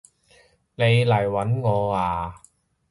你嚟搵我呀？